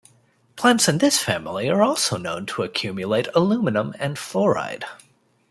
Plants in this family are also known to accumulate aluminum and fluoride.